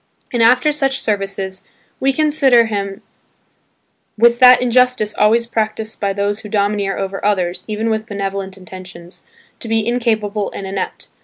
And after such services, we consider him with that injustice always practiced by those who domineer over others even with benevolent intentions, to be incapable and inept.